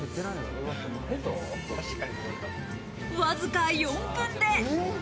わずか４分で。